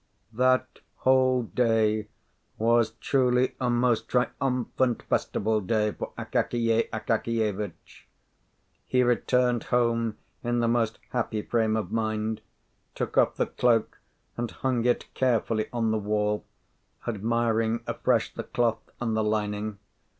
That whole day was truly a most triumphant festival day for Akakiy Akakievitch. He returned home in the most happy frame of mind, took off his cloak, and hung it carefully on the wall, admiring afresh the cloth and the lining.